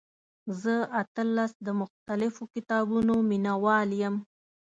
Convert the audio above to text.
زه اتلس د مختلفو کتابونو مینوال یم.